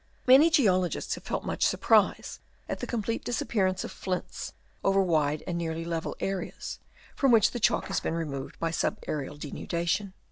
f Many geologists have felt much surprise at the complete disappearance of flints over wide and nearly level areas, from which the chalk has been removed by subaerial denudation.